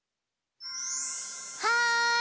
はい！